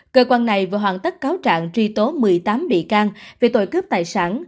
cơ quan này vừa hoàn tất cáo trạng truy tố một mươi tám bị can về tội cướp tài sản